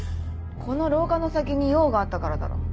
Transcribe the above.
この廊下の先に用があったからだろう。